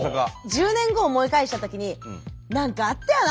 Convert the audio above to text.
１０年後思い返したときに何かあったよな